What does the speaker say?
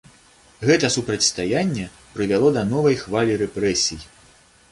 Гэта супрацьстаянне прывяло да новай хвалі рэпрэсій.